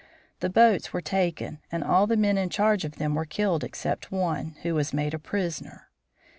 The boats were taken and all the men in charge of them were killed except one, who was made prisoner.